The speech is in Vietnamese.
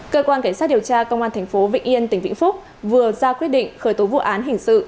cơ quan cảnh sát điều tra công an tp vịnh yên tỉnh vĩnh phúc vừa ra quyết định khởi tố vụ án hình sự